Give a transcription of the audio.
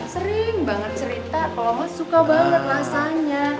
sering banget cerita kalau mas suka banget rasanya